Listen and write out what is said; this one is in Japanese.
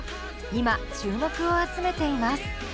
今注目を集めています。